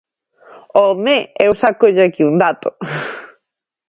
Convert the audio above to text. ¡Home!, eu sácolle aquí un dato.